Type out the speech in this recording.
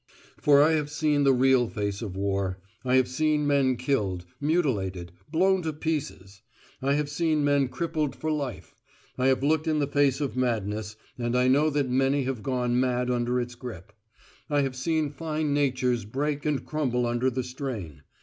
For I have seen the real face of war: I have seen men killed, mutilated, blown to little pieces; I have seen men crippled for life; I have looked in the face of madness, and I know that many have gone mad under its grip. I have seen fine natures break and crumble under the strain.